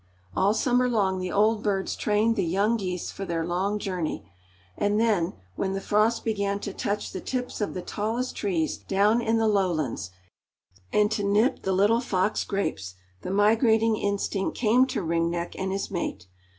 All summer long the old birds trained the young geese for their long journey, and then when the frost began to touch the tips of the tallest trees, down in the lowlands, and to nip the little fox grapes, the migrating instinct came to Ring Neck and his mate.